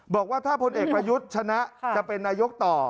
บอกว่าถ้าพลเอกประยุทธ์ชนะจะเป็นนายกต่อ